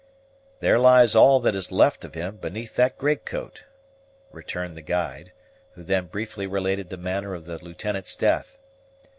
"There lies all that is left of him, beneath that greatcoat," returned the guide, who then briefly related the manner of the Lieutenant's death.